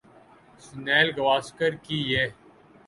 سنیل گواسکر کی یہ